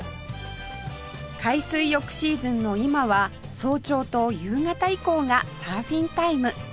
海水浴シーズンの今は早朝と夕方以降がサーフィンタイム